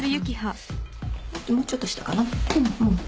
もうちょっと下かな。